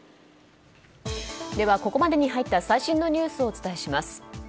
ここまでに入った最新のニュースをお伝えします。